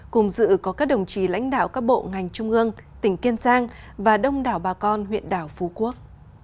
cùng dự có các đồng chí lãnh đạo các bộ ngành trung ương tỉnh kiên giang và đông đảo bà con huyện đảo phú quốc